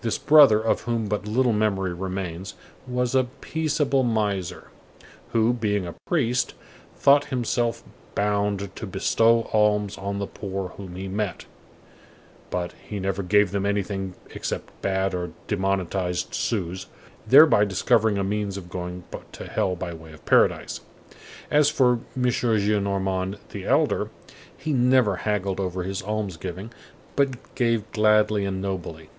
This brother, of whom but little memory remains, was a peaceable miser, who, being a priest, thought himself bound to bestow alms on the poor whom he met, but he never gave them anything except bad or demonetized sous, thereby discovering a means of going to hell by way of paradise. As for M. Gillenormand the elder, he never haggled over his alms giving, but gave gladly and nobly.